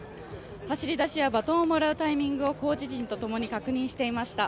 走りだしやバトンをもらうタイミングをコーチ陣とともに確認していました。